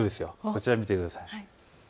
こちらを見てください。